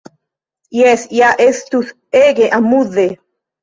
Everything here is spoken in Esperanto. "Jes ja! Estus ege amuze!"